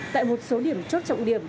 tại một số điểm chốt trọng